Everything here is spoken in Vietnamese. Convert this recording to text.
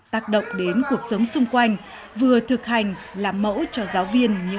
tác động đến cuộc sống xung quanh vừa thực hành làm mẫu cho giáo viên những